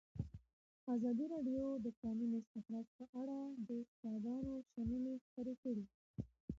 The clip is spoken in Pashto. ازادي راډیو د د کانونو استخراج په اړه د استادانو شننې خپرې کړي.